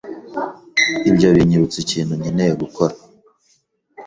Ibyo binyibutsa ikintu nkeneye gukora.